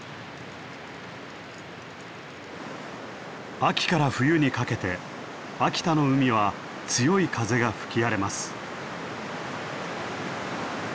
秋から冬にかけて秋田の海は強い風が吹き荒れます。